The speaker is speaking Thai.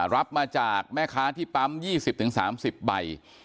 รับมาจากแม่ค้าที่ปั๊ม๒๐๓๐ใบ